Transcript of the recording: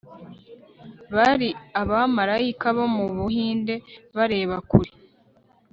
bari abamarayika bo mu buhinde bareba kure